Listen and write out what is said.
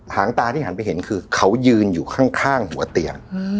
หางตาที่หันไปเห็นคือเขายืนอยู่ข้างหัวเตียง